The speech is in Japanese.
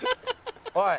おい。